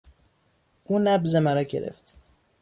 او نبض مرا گرفت.